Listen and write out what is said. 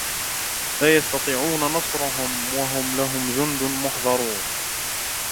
لَا يَسْتَطِيعُونَ نَصْرَهُمْ وَهُمْ لَهُمْ جُنْدٌ مُحْضَرُونَ